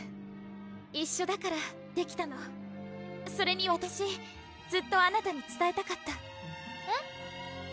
一緒だからできたのそれにわたしずっとあなたにつたえたかったえっ？